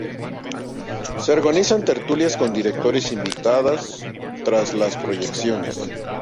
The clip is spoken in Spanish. Se organizan tertulias con directores invitados tras las proyecciones.